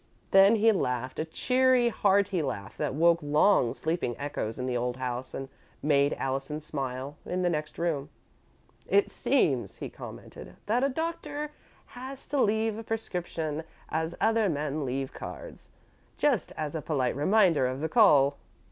Then he laughed a cheery, hearty laugh that woke long sleeping echoes in the old house and made Allison smile, in the next room. "It seems," he commented, "that a doctor has to leave a prescription as other men leave cards just as a polite reminder of the call."